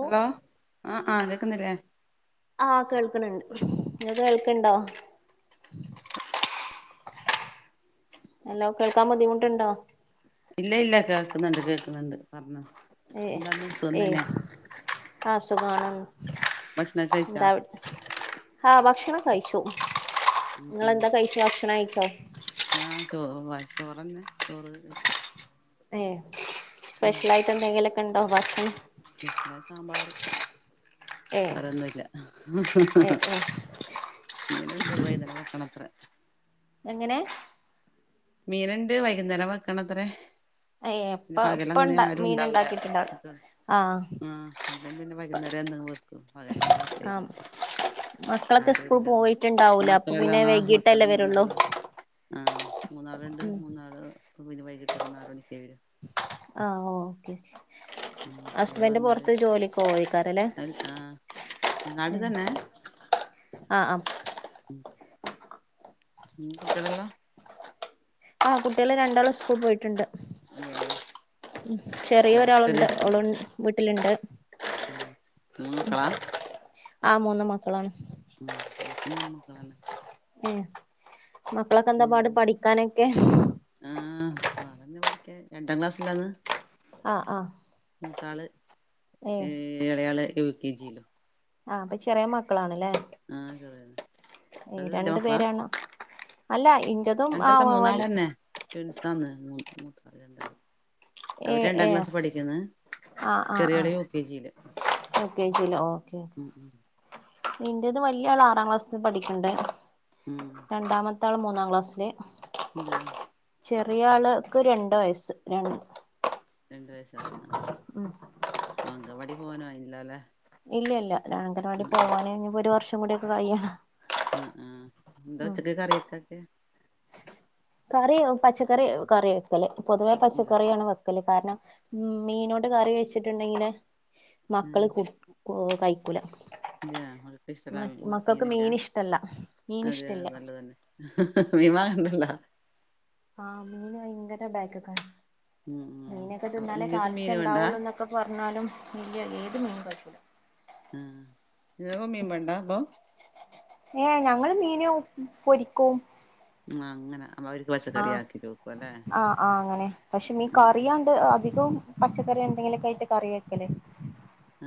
Hello ആ ആ കേൾക്കുന്നില്ലേ ആഹ കേൾക്കണണ്ട് കേൾക്കണ്ടോ ഹലോ കേൾക്കാൻ ബുദ്ധിമുട്ടുണ്ടോ ഇല്ല ഇല്ല കേക്കുന്നുണ്ട് കേക്കുന്നുണ്ട് പറഞ്ഞോ എന്താന്ന് സുഖം തന്നെ അ സുഖആണ് ഭക്ഷണം കഴിച്ച ആ ഭക്ഷണം കഴിച്ചു നിങ്ങെന്താ കഴിച്ച ഭക്ഷണം കഴിച്ചോ ഞാൻ ചോസദാ ചോറന്നെ ചോറ് ഏ ഉം സ്പെഷ്യൽ ആയിട്ട് എന്തെങ്കിലുമൊക്കെ ഉണ്ടോ ബാക്കി ഇല്ല ഏഹ് സാമ്പാർവേറെ ഒന്നുമില്ല ഹഹ ഏഹ് ഏഹ് മീനുണ്ട്ത് വൈകുന്നേരം വെക്കണത്ര എങ്ങനെ മീനുണ്ട് വൈകുന്നേരം വെക്കണ ത്രേ ഏഹ് ഇപ്പ പിന്നെ പകല ഇപ്പ അങ്ങനെ ഇണ്ട മീൻ ഉണ്ടാക്കിട്ടുണ്ടാവും ആരുംണ്ടാവില്ലഅതാണ് ആഹ് ആഹ അപ്പം പിന്നെ വൈകുന്നേരം എന്തെ വെക്കും പകല് അങ്ങനെ ആഹ് വെക്കാറില്ല മക്കളൊക്കെ സ്കൂൾ ആരൂല്ല അ പോയിട്ടുണ്ടാവൂലേ അപ്പൊ മക്കളെല്ല പിന്നെ ആഹ് വൈകീട്ടല്ലേ മക്കള് വരുള്ളൂ മൂന്നാള് ആഹ് മൂന്നാള്ണ്ട് ഉം മൂന്നാള് പിന്നെ വൈകിട്ടൊര് ആറ് മണിക്കവരും ആഹ് ഓക്കെ ഉം അവര് ഹസ്ബൻഡ് വന്നാല് പൊർത്ത് ജോലിക്കപോവായിരിക്കും അല്ലേ നാട്ട്ത്തന്നെ ആ അ ഉം [inaudible] ഉം കുട്ട്യാളെല്ല ആഹ് കുട്ട്യാള് രണ്ടാളും സ്കൂൾ പോയിട്ട്ണ്ട് അതെയ ഉം ചെറിയൊരാളുണ്ട് ചെറിയ ഓള് വീട്ടില്ണ്ട് ഉം [inaudible] മക്കളാ [unintelligible] ആ മൂന്ന് മക്കളാണ് ഉം ഇൻക്കും മൂന്ന് മക്കളാണ് ഉം മക്കളൊക്കെന്താ പാട് പഠിക്കാനൊക്കെ? ആഹ് പാടന്നെ പഠിക്കാൻ രണ്ടാം ക്ലാസ്സിലാന്ന് അ അ മൂത്താള് ഏ എളയാള് യു കെ ജീലും അ അപ്പ ചെറ്യേ മക്കളാണ്ലേ ആഹ് ചെറിയത് ഏ അത് വലിയ രണ്ട് മക്കളാ പേരാണോ? അല്ല ഇന്റതും ആയ വൽ ട്വൻസാണ് [unintelligible] മൂത്താള് രണ്ടാള്. അവര് രണ്ടാം ക്ലാസ് പഠിക്ക്ന്ന്. ആഹ് ആഹ് ആഹ് യൂ കേജീല് ഓക്കെ. ഉം ഉം ഇന്റെത് വല്ല്യാള് ആറാം ക്ലാസ് പഠിക്ക്ണ്ടെ. ഉം രണ്ടാമെത്താള് മൂന്നാം ക്ലാസ്സില്. ഇജ ചെറിയാള് ഇക്ക് രണ്ട് വയസ്സ് രണ്ട്. രണ്ട് വയസ്സാ. ഉം ഇപ്പൊ അംഗവാടി പോവാനായല്ലോല്ലെ ഇല്ല ല്ല. രാങ്കനവാടി പോവാന് ഇഞ്ഞ്പ്പൊര് വർഷം കൂടിയൊക്കെ കയ്യണം. അഹ് ആ ഇന്താ ഉച്ചക്ക് കറിയൊക്കാക്ക്യെ? കറി പച്ചക്കറി കറി വെക്കല്. പൊതുവേ ഇഞ്ചോ പച്ചക്കറിയാണ് വെ ക്കല് കാര്ണം. മീനോണ്ട് കറി വെച്ചിട്ട്ണ്ടെങ്കില് ആ മക്കള് കു കൂ കായ്ക്കൂല ഇജാ ഓൽക്ക്ഷ്ടള്ള [unintelligible] മീനില്ല. മീൻ ഇഷ്ടല്ല മീൻ അതെ അത് ഇഷ്ടല്ല നല്ലതന്നെ. മീൻ വാങ്ങണ്ടല്ലൊ. ആഹ് മീന് ഭയ്ങ്കര ബേക്ക്ക്കാണ്. ഉം ഉം മീനൊക്കെ അപ്പൊ തിന്നാലേ ഇങ്ങക്ക് മീന് വേണ്ടാ കാൽസ്യണ്ടാവൊള്ളൂന്നൊ ക്കെ പർഞ്ഞാലും ഇല്ല ഏത് മീനും കയ്ക്കൂല. ഉം ഇങ്ങകും മീൻ മാണ്ട അപ്പം ഏഹ് ഞങ്ങള് മീനു പൊരിക്കും. ഉം അങ്ങന ആഹ് ആഹ് ആഹ് അങ്ങനെ പക്ഷെ ഇനി ആ കറിയാണ്ട് അധികും പച്ചക്കറി എന്തെങ്കിലൊക്കായിട്ട് കറി വെക്കല്.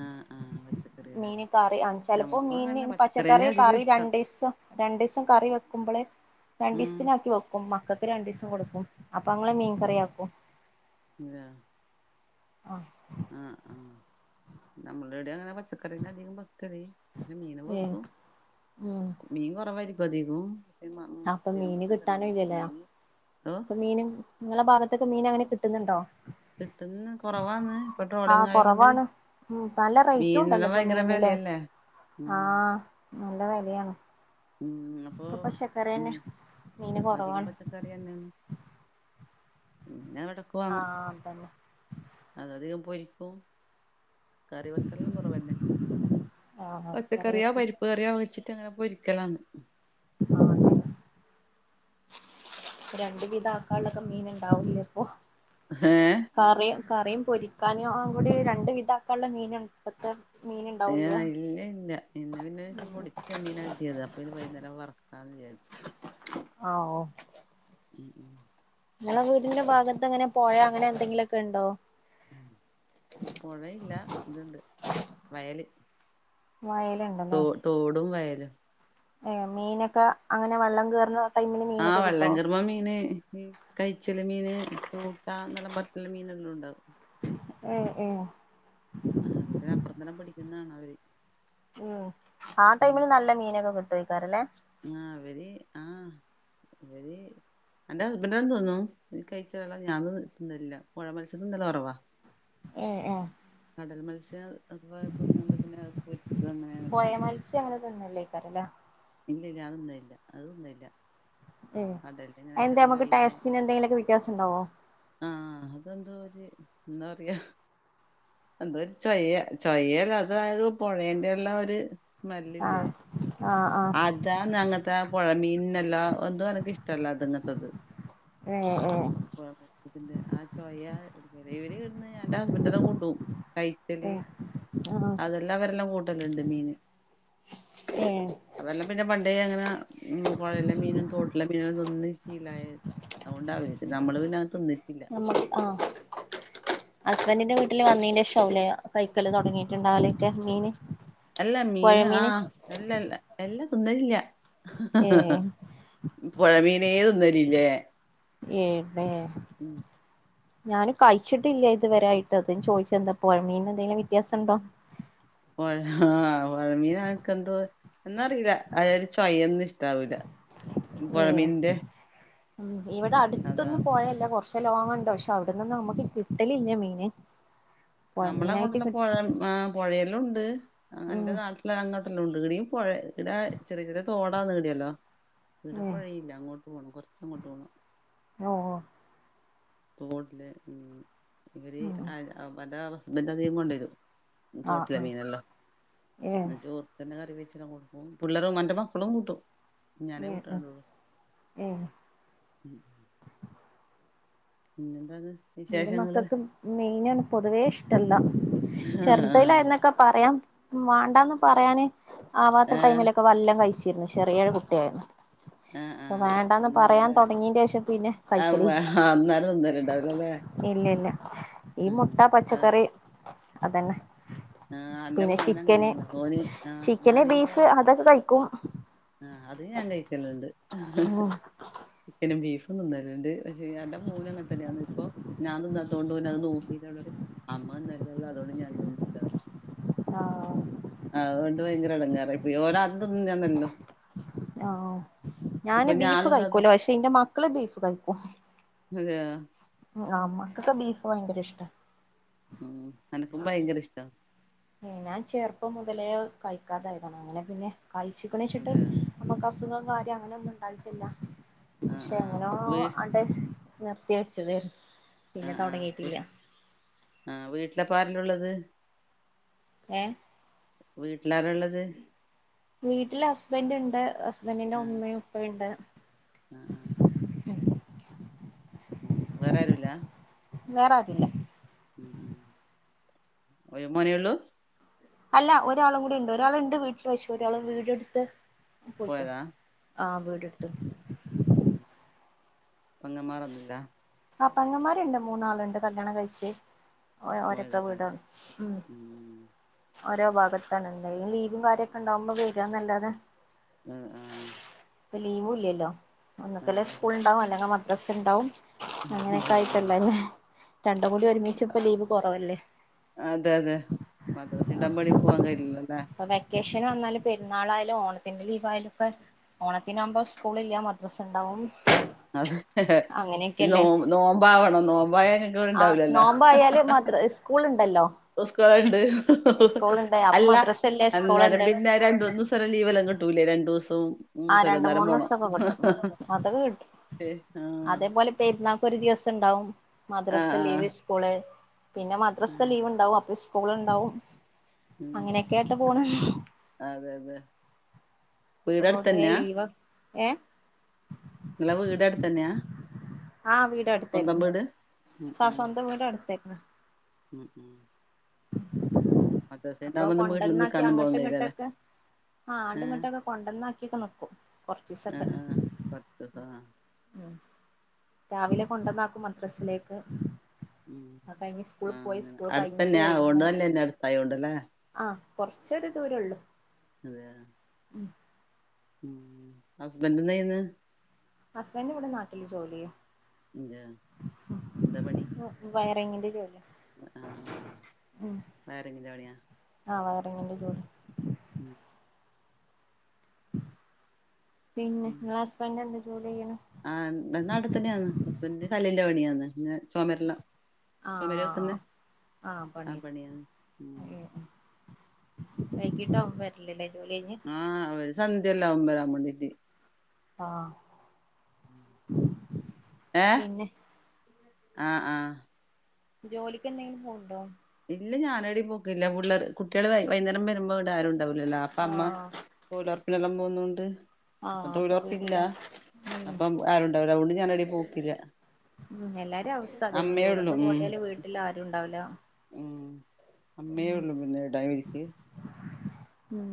ആഹ് ആഹ് മീന് കറി ആ ചെലപ്പം മീന് പച്ചക്കറിന്നെ പച്ചക്കറി അധികം കറി ഇഷ്ടം രണ്ടീസം. രണ്ടീസം കറി വെക്കുമ്പള് ഉം രണ്ടീസ്ത്തിനാക്കി വെ ക്കും മക്കക്ക് രണ്ടീസം കൊട്ക്കും. അപ്പങ്ങള് മീൻകറിയാക്കും. അതെ. അഹ് ആഹ് ആഹ് നമ്മളെടങ്ങനെ പച്ചക്കറ്യന്നധികും വെക്കെലേ [unintelligible] പിന്നെ മീനും ഏഹ് വെക്കും. ഉം മീൻ കൊറവായിരിക്കും അധികും. അപ്പം മീന് കിട്ടാനും ഇല്ലല്ലോ. ഓ ഇപ്പൊ മീനും. ഇങ്ങളെ ഭാഗത്തൊക്കെ മീന് അങ്ങനെ കിട്ട്ന്ന്ണ്ടോ. കിട്ട്ന്ന് കൊറവാന്ന്. ഇപ്പ ആഹ് ട്രോളിങ് ആയോകൊണ്ട് കൊറവാണ് ഉം പല്ല റേയ്റ്റു ഉണ്ടല്ലൊ ഇപ്പ മീനിന് ലേ. വിലയല്ലേ ഉം ആഹ് നല്ല വെലയാണ്. ഉം അപ്പൊ ഇപ്പൊ പച്ചക്കറിയന്നെ മീന് അധികം പ കൊറവാണ് [unintelligible] ചക്കറിയെന്നേന്ന് [unintelligible] ന്നവിടെ ആ അതന്നെ അത് അധികം പൊരിക്കും. കറി വെക്കല്ല കൊറവല്ലെ. ആഹ് പച്ചക്കറിയോ കറിവെപ്പ് പരിപ്പ് കറിയോ വെച്ചിട്ട് അങ്ങനെ പൊരി കലാണ്. ആഹ് അങ്ങനെ രണ്ടു വിധ ആക്കാള്ളക്കൊ മീൻ ഇണ്ടാവൊല്ലൊ ഇപ്പൊ ഹേ കറി കറിയും പൊരിക്കാനും കൂടി രണ്ടു വിതാക്കാള്ള മീനുണ്ട്. ഇപ്പത്തെ മീന് ഇണ്ടാവൂല്ല ഏഹ് ഇല്ല ഇല്ല ഇന്ന് പിന്നെ വെച്ചാ പൊടിച്ച മീന കിട്ടിയതാ ഇപ്പോ വൈകുന്നരം വറക്കാന്ന് വിചരിച്ചു ഓ ഓഹ് ഉം ഉം ഞങ്ങളെ വീടിന്റെ ഭാഗത്ത് അങ്ങനെ പോഴ അങ്ങനെ എന്തെങ്കിലുക്കെ ഉണ്ടോ പുഴയില്ല ഇതുണ്ട് വയല് തോ വയലുണ്ടല്ലോ തോടും വയല് ഏഹ് മീനൊക്കെ അങ്ങനെ വെള്ളം കയറന്ന് ആഹ് വെള്ളംകേ ർമ്മ മീന് കഴിച്ചല് മീന് ചൂട്ട എന്നല്ല പറ ഞ്ഞിട്ട് മീനെല്ലാം ഉണ്ടാവും എഹ് എഹ് ആഹ് അ അപ്പുറത്തങ്ങാ നം പിടി ക്കുന്നതാണ് അവര് ഉം ആ ഉം ടൈമിൽ നല്ല മീനൊക്കെ കിട്ടും വോക്കാറല്ലേ ആഹ് അ വരി ആഹ് ഇവരി എന്റെ ഹസ്ബൻഡ തോന്നുന്നു എനി കഴിച്ച വളർത്തു മീനൊന്നും തി ന്നല്ല പുഴ മത്സ്യത്തി നില കുറവാ ആഹ് ആഹ് കടൽ മത്സ്യം അതുപോലെ തിന്നുണ്ട പിന്നെ പൊരിക്ക അങ്ങനെ അങ്ങനെ പൊഴ തോന്നുന്നു അങ്ങനെ മത്സ്യം തി ന്നല്ലേക്കാല്ലേ ഇല്ല ഇല്ലഞാൻ തിന്നഇല്ല അതുന്നാ ഇല്ല ഏഹ് അത് ന്താ നമുക്ക് അയില ടെസ്റ്റിന് എന്തെങ്കിലുമൊക്കെ വ്യത്യാസം ഉണ്ടാവോ ആഹ് അതെന്തോ ഒരുര് എന്താ പറയാ എന്തോ ഒരു ചൊയ്യ ചൊയ്യൽ അതായ പൊഴേന്റെ എല്ലാം ഒരു ആഹ് ആഹ് ആഹ് അതാ അങ്ങത്തെ പുഴമീനിനെല്ലാം ഒന്തും എനക്ക് ഇഷ്ടമല്ല അത് ഇങ്ങത്തത് ഏഹ് ഏഹ് ആ ചോയ ഇവര് ഇടന്ന് എന്റെ ഹസ്ബൻ് എല്ലാം കൂട്ടും കൈത്തല് അതെല്ലാം അവരെല്ലാം കൂട്ടലുണ്ട് മീന് എഹ് അതെല്ലാം പിന്നെ പണ്ട അങ്ങനെ ഉം പുഴയിലെ മീനും തോട്ടിലെ മീനുംതി ന്നീശി ലായൊ ണ്ട് അതുകൊണ്ടാവില്ല നമ്മള് പിന്നെ അത് തിന്നിട്ടില്ല നമ്മള് ആഹ് ഹസ്ബൻഡിന്റെ വീട്ടില് വന്നീന്റെ ശേസ വുംലെ കൈക്കല് തുടങ്ങിട്ടുണ്ടാവലൊക്കെ മീന് എല്ലാ മീന് പൊഴമീന് ആഹ് എല്ലല്ല എല്ലാം തി ന്നലില്ല ഏ പുഴമീനേ തിന്നലില്ലേ ഞാ ഏടെ ഞാനും കഴിച്ചിട്ടില്ല ഇതുവരൊയിട്ട് അത ചോദിച്ച എന്താ പോഴ മീന് എന്തെങ്കിലും വ്യത്യാസംണ്ടോ ആ പൊഴമീനനക്കെന്തൊ എന്നറിയില്ല അയൊരു ചൊയന്നും ഇഷ്ടാവൂല. ഏഹ് പുഴമീനിന്റെ ഇവിടെ അതാ അടുത്തൊന്നും പൊയല്ല കുറച്ച് നല്ല ലോങ്ങുണ്ട് പക്ഷെ അവിടന് നമുക്ക് കിട്ടലില്ല മീന് പൊഴമീനായിട്ട് നമ്മളങ്ങോട്ടല്ല കിട്ട പുഴ ആ പുഴയില് ഉണ്ട് അങ്ങന ഉം ന്റനാട്ടില് എല്ല അങ്ങോട്ടെല്ലാം ഉണ്ട് ഇവിടയും പുഴ ഇടെ ചെറിയ ചെറിയ തോടാണ് ഇവിടെയല്ലോ. ഇവിട ഏ പുഴയില്ല അങ്ങോട്ട് പോകണം കുറച് അങ്ങോട്ട് പോകണം. ഓഹ് ഓഹ് തോട്ടില് ഇവര് ഉം അവന്റെ ഹസ്ബന്ഡധികം കൊണ്ടരും ആഹ് തോട്ടിലെ ആഹ് മീനെല്ലാം ഇന്നിറ്റോർ കറി വെച്ചെല്ലം കൊടുക്കും പിള്ളറും എന്റെ മക്കളും കൂട്ടും. ഞാനേ ഏ കൂട്ടാണ്ട്ള്ളൂ ഏ ഏ പിന്നന്താണ്? ഇന്റെ മക്കക്കും മീനാണ് പൊതുവേ ഇഷ്ട്ടല്ല ആഹ് ചെറുതിലായിന്നക്കെ പറയാം വാണ്ടാന്ന് പറയാന് ആവാത്ത ആഹ് ടൈമിലൊക്കെ നല്ലം കഴിച്ചു. [unintelligible] ചെറിയ കുട്ടിയായിരുന്ന്. ആഹ് ഇപ്പൊ ആഹ് വേണ്ടാന്ന് പറയാൻ അന്നേരല്ലേ തൊടങ്ങീന്റെ ശേഷം പിന്നെ കൈക്കലില്ലാ. ആഹ് അന്നേരം തിന്നല്ണ്ടാവൂലാല്ലേ ഇല്ല ഇല്ല ഈ മുട്ട ആഹ് പച്ചക്കറി അതന്നെ. ആഹ് അന്റെ പിന്നെ മോന് ചിക്കന് അങ്ങനെയാന്ന് ഓന് ആഹ് ചിക്കന് ഞാനീ പോ ബീഫ് അതൊക്കെ കയിക്കും. ആഹ് അത് ഞാൻ കഴിക്കല്ണ്ട്. ഉം ചിക്കനും ബീഫും തിന്നല്ണ്ട് പക്ഷേ അൻ്റെ മോനും അങ്ങനെ തന്നെയാന്ന് ഇപ്പൊ ഞാൻ തിന്നാത്തോണ്ട് ഓനത് നോക്കിട്ട് [unintelligible] അമ്മ തിന്നര്തല്ലോ അതോണ്ട് ഞാനും തിന്ന്ന്നില്ലാന്ന് ആഹ്. അതുകൊണ്ട് ഭയങ്കര എടങ്ങേറായി പോയി ഓനാദ്യം തിന്ന്ന്നതാണ് എല്ലോം ആഹ് ഞാന് ബീഫ് തിന്നാത്ത കയിക്കൂലാ പക്ഷെ എന്റെ മക്കള് ബീഫ് കഴിക്കും. അതെയാ? ആഹ് മക്കക്ക് ബീഫ് ഭയങ്കര ഇഷ്ട്ടാ. ഉം എനക്കും ഭയങ്കര ഇഷ്ട്ടാ ഉം ഞാൻ ചെറുപ്പം മുതലേ കഴിക്കാതായതാണ് അങ്ങനെ പിന്നെ കഴിച്ചിക്കണച്ചിട്ട് അതെയോ നമ്മക്ക് അസുഖം കാര്യ അങ്ങനെ ഒന്നും ഉണ്ടായിട്ടില്ലാ ആഹ് പക്ഷെ ആഹ് എങ്ങനോ വീ അ നിർത്തി വെച്ചതായിരുന്നു പിന്നെ ആഹ് ആഹ് തൊടങ്ങീട്ടില്ലാ. ആഹ് വീട്ടിലപ്പ ആരെല്ലാ ഉള്ളത്? ഏഹ് വീട്ടിലാരള്ളത്? വീട്ടില് ഹസ്ബൻഡ്ണ്ട് ഹസ്ബന്റിന്റെ ആഹ് ഉമ്മയും ഉപ്പയുണ്ട്. ആഹ് ആഹ് ഉം വേറെ ആരൂല്ലാ. വേറെ ആരൂല്ലാ ഉം ഒരു മോനേ ഉള്ളൂ. അല്ല ഒരാളും കൂടി ഇണ്ട് ഒരാളുണ്ട് വീട്ടില് പക്ഷെ ഒരാള് വീടെടുത്ത് പോയിക്കണ് പോയതാ ആഹ് വീടെടുത്ത് ഉം പെങ്ങമാറൊന്നൂല്ലാ. ആഹ് പെങ്ങമ്മാര്ണ്ട് മൂന്നാളുണ്ട് കല്യാണം കഴിച്ച്. ഓ ഓരൊക്കെ പോയതല്ലേ വീടാണ് ഉം ഓരോ ഭാഗത്താണ് എന്തേലും ലീവും കാര്യാക്കെ ഇണ്ടാകുമ്പോ വെരാന്നല്ലാതെ. ആഹ് ആഹ്. ഇപ്പം ലീവുല്ലല്ലോ ഒന്നക്കല്ലേ അതെ അതെ സ്കൂൾ ഇണ്ടാവും അല്ലെങ്കെ മദ്രസ്സണ്ടാവും. അങ്ങനെയൊക്കെ ആഹ് ആയിട്ടല്ലേ ലേ രണ്ടും കൂടി ഒരുമിച്ച്പ്പ ലീവ് കൊറവല്ലേ. അതെ അതെ മദ്രസ്സണ്ടാവുമ്പോ ഏടെയും പോവാൻ കഴിയില്ലല്ലോല്ലേ. ആഹ് വെക്കേഷന് വന്നാലു പെരുന്നാളായാലും ഓണത്തിന്റെ ലീവ് ആയാലും ഇപ്പ ഓണത്തിനാകുമ്പോ സ്കൂളില്ലാ മദ്രസ്സണ്ടാവും അതെ ഇനി നോ നോമ്പാവണം നോമ്പായ ഇങ്ങക്ക് പിന്നെ ഇണ്ടാവൂലല്ലോ സ്കൂള്ണ്ടല്ലോ ഉസ്കൂള്ണ്ട് അപ്പൊ അല്ല മദ്രസ ഇല്ലേ അന്നേര സ്കൂളുണ്ട് പിന്നെ രണ്ടൂന്നു സ് സരം ലീവെല്ല കിട്ടൂലേ രണ്ടുസം മുന്നസല്ലേ അന്നേരം പോണം. അത് ഒക്കെ കിട്ടും ആഹ് അതെ പോലെ പെരുന്നാക്ക് ഒരു ദിവസുണ്ടാവും മദ്രസ ആഹ് ആഹ് ലീവ് സ്കൂള് പിന്നെ മദ്രസ ആഹ് ലീവുണ്ടാവും അപ്പൊ സ്കൂള് ഇണ്ടാവും. ആഹ് അങ്ങനെ ഒക്കെയായിട്ട് അതെ പോണ്. അതെ അതെ. ഇപ്പൊ വീട് പൊതുവേ അടുത്തന്നെയാ ലീവ് ഏഹ് ഇങ്ങള വീട് അടുത്തന്നയാ? ആഹ് വീട് അടുത്തന്നയാ ഉം സ ഉം സ്വന്തം വീട് അടുത്തന്നേ. ഉം ഉം. മദ്രസ അപ്പൊ ഉണ്ടാവുമ്പോ ഒന്നും വീട്ടിൽ കൊണ്ടന്നാക്കി നിക്കാനൊന്നും പോകാൻ അങ്ങട്ട് കഴിയില്ലല്ലേ ഇങ്ങട്ടൊക്കെ ആഹ് ഏഹ് ആണ്ടുങ്ങട്ടൊക്കെ കൊണ്ടന്നാക്കിയൊക്കെ നിക്കും കൊറച്ചിസം ഒക്കെ. ആഹ് [unintelligible] ഉം രാവിലെ കൊണ്ടന്നാക്കും മദ്രസിലേക്ക്. ഉം അത് കഴിഞ്ഞ് സ്കൂളിൽ ആഹ് പോയി അങ്ങന സ്കൂൾ കഴിഞ്ഞിട്ട് അടുത്തന്നെയ അ ഓണ്ട്‌ നല്ലന്നെ അടുത്തായോണ്ടല്ലേ. ആഹ് കൊറച്ചൊരു ദൂരുള്ളൂ. അതയാ. ഉം ഹസ്ബൻഡ് എന്തെയ്യുന്ന്? ഹസ്ബൻഡ് ഇവിടെ നാട്ടില് ജോലിയ്യ. ഇജാ എന്താപണി. വയറിങ്ങിന്റെ ജോലിയാ. ആഹ് വയറിങ്ങിൻ്റെ പണിയാ. ആഹ് വയറിങ്ങിന്റെ ജോലി. ഉം. പിന്നെ ഉം ഇങ്ങള ഹസ്ബൻഡ് എന്താ ജോലിയ്യണ്? ആഹ് ബൻ്റ് നാട്ടിത്തന്നെയന്ന് ഹസ്ബൻഡ് ന് കല്ലിന്റെ പണിയാന്ന് പിന്ന ചൊമരെല്ല ആ ചൊമര് വെക്കുന്നെ ആ പണിയാന്ന് ഉം. വൈകിട്ടാവും വരലല്ലേ ജോലി ഐഞ്ഞ്. ആഹ് അവര് സന്ധ്യയെല്ലാവു ബെരാൻ ബേണ്ടിറ്റ്. ആഹ്. ഏഹ് പിന്നെ ആഹ് ആഹ്. ജോലിക്കെന്തെങ്കിലും പോവുണ്ടോ? ഇല്ല ഞാനേടും പോക്കില്ല പുള്ളറ് കുട്ട്യള് വൈകു വൈന്നേരം ബെരുമ്പോ ഈട ആരും ഉണ്ടാവുലല്ലോ അപ്പ അമ്മ ആ തൊയിലൊറപ്പിനെല്ലം പോന്നോണ്ട്. ആഹ് അപ്പൊ വീട്ടിലാ ഉം. അപ്പം ആരുണ്ടാവൂല അ ഓണ്ട് ഞാൻ ഏടീം പോക്കില്ല. ഉം എല്ലാരെ അവസ്ഥ അതന്നെ അമ്മയേ ഉള്ളൂ ജോലിക്ക് ഉം പോയാല് വീട്ടില് ആരുണ്ടാവില്ലാ. ഉം അമ്മേ ഉള്ളൂ പിന്നീടെ ഇവരിക്ക്. ഉം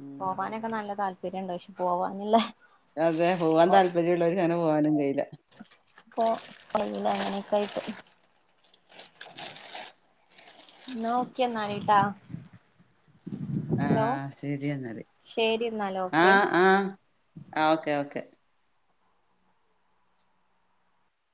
ഉം വേറെ പോവാനൊക്കെ ആരുല്ല നല്ല താല്പര്യണ്ട് പക്ഷെ പോവാനുള്ളെ അതെ പോവാൻ താല്പര്യള്ളോര്ക്ക് അങ്ങനെ പോകാനും കയില്ല. [unintelligible] ന്നാ ഓക്കേ എന്നാല് ട്ട. ആഹ് ശരി എന്നാല് ശരി എന്നാല് ഓക്കെ ആഹ് ആഹ് ഓക്കെ ഓക്കെ.